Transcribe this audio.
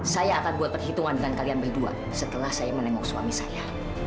saya akan buat perhitungan dengan kalian berdua setelah saya menengok suami saya